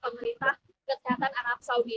pemerintah kesehatan arab saudi